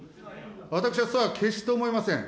私はそれは決して思いません。